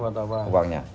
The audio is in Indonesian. dipakai buat apa uangnya